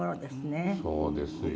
そうですよ。